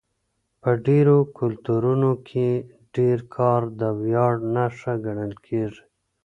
په ډېرو کلتورونو کې ډېر کار د ویاړ نښه ګڼل کېږي.